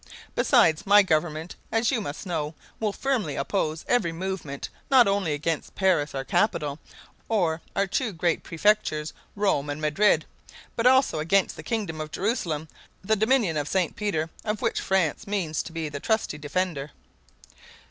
Besides, my government, as you must know, will firmly oppose every movement, not only against Paris, our capital, or our two great prefectures, Rome and Madrid, but also against the kingdom of Jerusalem, the dominion of Saint Peter, of which France means to be the trusty defender."